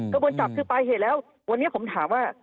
กระบวนจับคือปลายเหตุแล้ววันนี้ผมถามว่า